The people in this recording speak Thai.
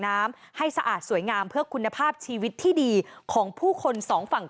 น้ำให้สะอาดสวยงามเพื่อคุณภาพชีวิตที่ดีของผู้คนสองฝั่ง